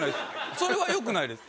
それはよくないです。